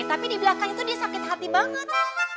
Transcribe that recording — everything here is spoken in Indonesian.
tapi di belakang itu dia sakit hati banget